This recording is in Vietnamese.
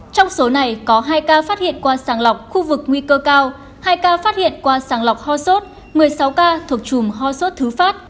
trong số này có hai ca phát hiện qua sàng lọc khu vực nguy cơ cao hai ca phát hiện qua sàng lọc ho sốt một mươi sáu ca thuộc chùm ho sốt thứ phát